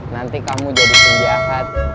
nanti kamu jadi penjahat